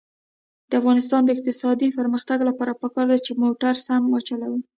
د افغانستان د اقتصادي پرمختګ لپاره پکار ده چې موټر سم وچلوو.